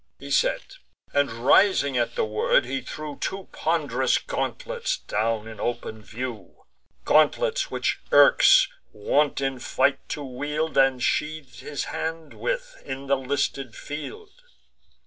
He said; and, rising at the word, he threw Two pond'rous gauntlets down in open view; Gauntlets which Eryx wont in fight to wield, And sheathe his hands with in the listed field.